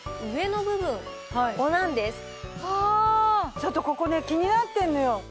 ちょっとここね気になってるのよ。